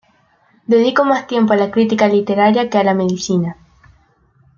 Dedicó más tiempo a la crítica literaria que a la medicina.